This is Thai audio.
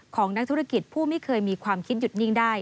ของนักธุรกิจผู้ไม่เคยมีความคิดหยุดนิ่งได้